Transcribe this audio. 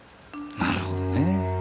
なるほどね。